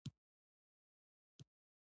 هیلې مې د ژوند په تورو شپو کې ښخې دي.